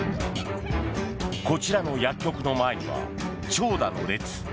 こちらの薬局の前には長蛇の列。